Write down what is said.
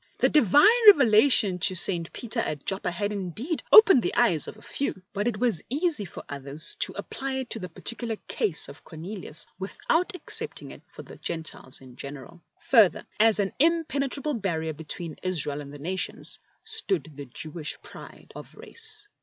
The Divine revelation to St. Peter at Joppa had indeed opened the eyes of a few; but it was easy for others to apply it to the particular case of Cornelius without accepting it for the Gentiles in general. Further, as an impenetrable barrier between Israel and the nations, stood the Jewish pride of race.